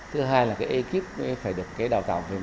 thứ hai là cái ekip phải được đào chế